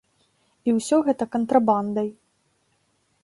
І ўсё гэта кантрабандай.